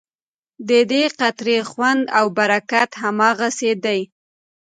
ددې قطرې خوند او برکت هماغسې دی.